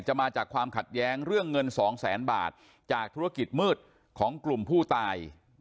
มาจากความขัดแย้งเรื่องเงินสองแสนบาทจากธุรกิจมืดของกลุ่มผู้ตาย